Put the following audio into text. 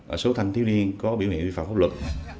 ở số thanh thiếu niên có biểu hiện vi phạm pháp luật